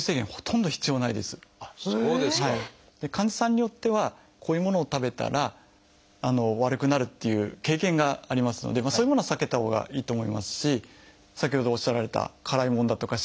患者さんによってはこういうものを食べたら悪くなるっていう経験がありますのでそういうものは避けたほうがいいと思いますし先ほどおっしゃられた辛いものだとか刺激物。